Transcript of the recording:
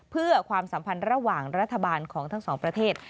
เพื่อความสัมพันธ์ระหว่างรัฐบาลของทั้งสองประเทศ